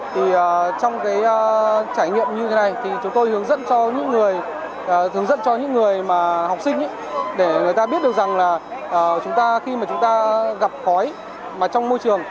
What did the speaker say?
trong trải nghiệm như thế này thì chúng tôi hướng dẫn cho những người học sinh để người ta biết được rằng là khi mà chúng ta gặp khói trong môi trường